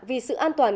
vì sự an toàn